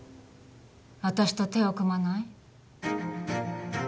私と手を組まない？